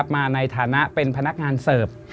มาในฐานะเป็นพนักงานเสิร์ฟ